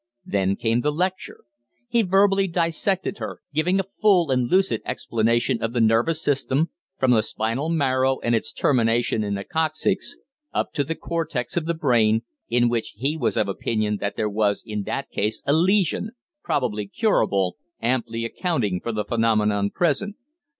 Then came the lecture. He verbally dissected her, giving a full and lucid explanation of the nervous system, from the spinal marrow and its termination in the coccyx, up to the cortex of the brain, in which he was of opinion that there was in that case a lesion probably curable amply accounting for the phenomenon present.